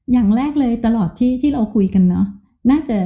อย่างแรกเลยตลอดที่เราคุยกันเนอะ